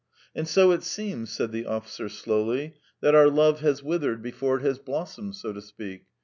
"And so it seems," said the officer, slowly, "that our love has withered before it has blossomed, so to speak.